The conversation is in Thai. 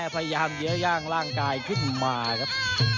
พยายามเยื้อย่างร่างกายขึ้นมาครับ